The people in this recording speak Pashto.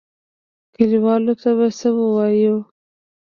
کليوالو ته به څه وايو؟